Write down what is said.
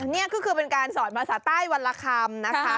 นี่ก็คือเป็นการสอนภาษาใต้วันละคำนะคะ